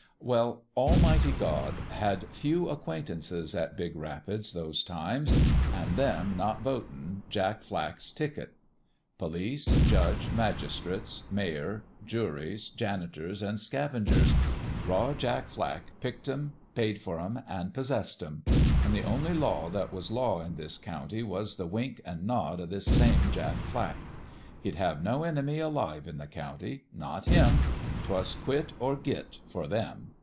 well, Al mighty God had few acquaintances at Big Rap ids those times, an' them not votin' Jack Flack's ticket. Police, judge, magistrates, mayor, juries, What HAPPENED to TOM HITCH 225 janitors, an' scavengers : Raw Jack Flack picked 'em, paid for 'em, an' possessed 'em ; an' the only law that was law in this county was the wink an' nod of this same Jack Flack He'd have no enemy alive in the county. Not him ! 'Twas quit or git for them.